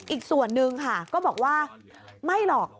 อีกส่วนหนึ่งค่ะก็บอกว่าไม่หรอก